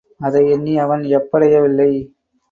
அதை எண்ணி அவன் யப்படையவில்லை.